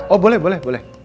oh boleh boleh boleh